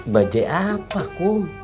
budget apa kum